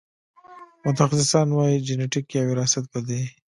متخصصان وايي جنېتیک یا وراثت په دې